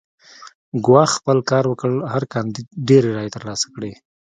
ګواښ خپل کار وکړ هر کاندید ډېرې رایې ترلاسه کړې.